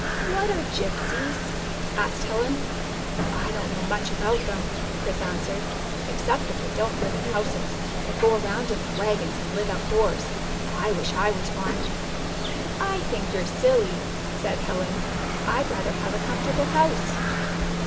" What are Gypsies ?" asked Helen. " I don't know much about them," Chris an swered, " except that they don't live in houses, but go around in their wagons, and live out doors. I wish I was one." " I think you 're silly," said Helen. " I 'd rather have a comfortable house."